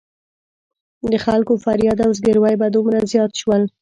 د خلکو فریاد او زګېروي به دومره زیات شول.